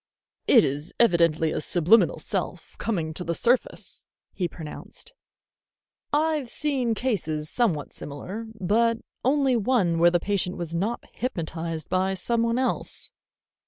"It is evidently a subliminal self coming to the surface," he pronounced. "I've seen cases somewhat similar, but only one where the patient was not hypnotized by somebody else."